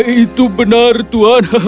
itu benar tuhan